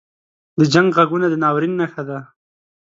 • د جنګ ږغونه د ناورین نښه ده.